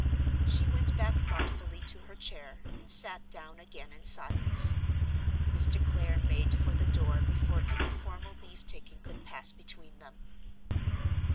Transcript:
She went back thoughtfully to her chair, and sat down again in silence. Mr. Clare made for the door before any formal leave taking could pass between them.